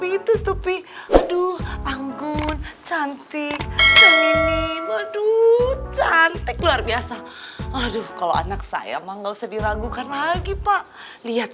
ini madu cantik luar biasa aduh kalau anak saya mah nggak usah diragukan lagi pak lihat